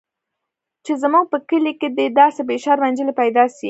چې زموږ په کلي کښې دې داسې بې شرمه نجلۍ پيدا سي.